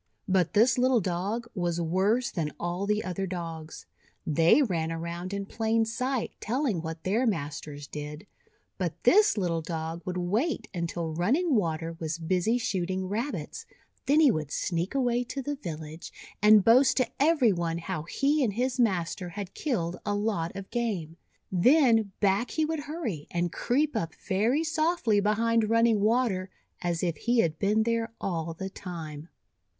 But this little Dog was worse than all the other Dogs. They ran around in plain sight telling what their masters did. But this little Dog would wait until Running Water was busy shooting Rabbits, then he would sneak away to the village, and boast to every one how he and his master had killed a lot of game. Then back he would hurry, and creep up very softly behind Running Water as if he had been there all the time.